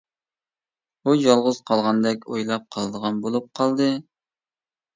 ئۇ يالغۇز قالغاندەك ئويلاپ قالىدىغان بولۇپ قالدى.